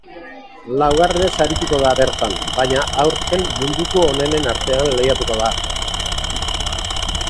Laugarrenez arituko da bertan, baina aurten munduko onenen artean lehiatuko da.